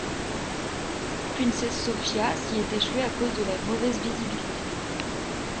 Princess Sophia s'y est échoué à cause de la mauvaise visibilité.